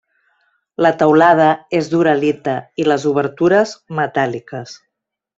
La teulada és d'uralita i les obertures metàl·liques.